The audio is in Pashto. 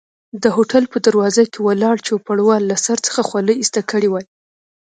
د هوټل په دروازه کې ولاړ چوپړوال له سر څخه خولۍ ایسته کړي وای.